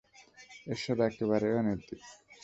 এসব একেবারেই অনৈতিক।